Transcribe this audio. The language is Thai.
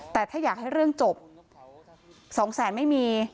แต่ถ้าอยากให้เรื่องจบ๒แสนไม่มี